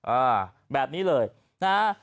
อ่าแบบนี้เลยนะฮะ